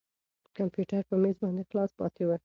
کمپیوټر په مېز باندې خلاص پاتې و.